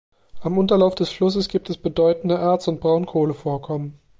Am Unterlauf des Flusses gibt es bedeutende Erz- und Braunkohlevorkommen.